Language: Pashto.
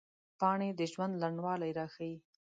پاڼې د ژوند لنډوالي راښيي